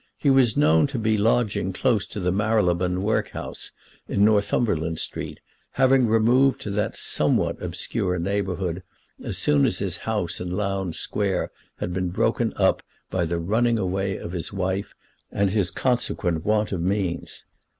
He was known to be lodging close to the Marylebone Workhouse, in Northumberland Street, having removed to that somewhat obscure neighbourhood as soon as his house in Lowndes Square had been broken up by the running away of his wife and his consequent want of means.